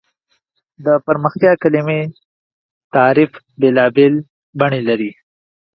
د پرمختیا د کلیمې تعریف بېلابېل بڼې لري.